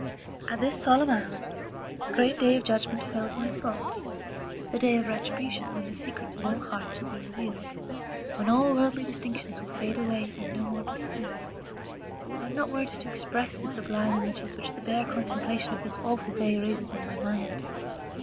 "At this solemn hour, the great day of judgment fills my thoughts; the day of retribution, when the secrets of all hearts will be revealed; when all worldly distinctions will fade away, and be no more seen. I have not words to express the sublime images which the bare contemplation of this awful day raises in my mind.